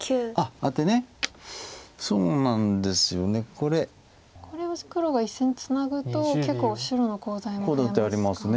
これは黒が１線ツナぐと結構白のコウ材も増えますか。